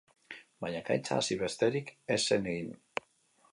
Baina ekaitza hasi besterik ez zen egin.